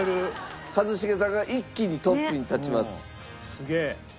すげえ。